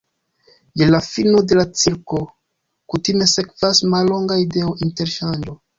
Je la fino de la cirklo kutime sekvas mallonga ideo-interŝanĝo.